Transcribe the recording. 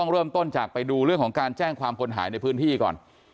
เริ่มต้นจากไปดูเรื่องของการแจ้งความคนหายในพื้นที่ก่อน